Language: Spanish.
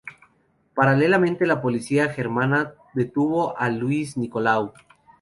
Paralelamente, la policía germana detuvo a Luis Nicolau.